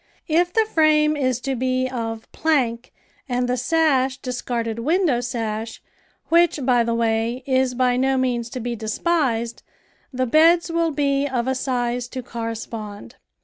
If the frame is to be of plank and the sash discarded window sash, which, by the way, is by no means to be despised, the beds will be of a size to correspond.